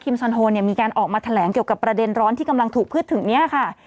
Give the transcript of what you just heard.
คิมสอนโฮมีการออกมาแถลงเกี่ยวกับประเด็นร้อนที่กำลังถูกพืชถึงนี้ค่ะ